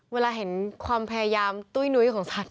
เวลาเห็นความพยายามตุ้ยนุ้ยของสัตว